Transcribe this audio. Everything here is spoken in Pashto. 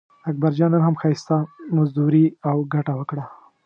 اکبرجان نن هم ښایسته مزدوري او ګټه وکړه.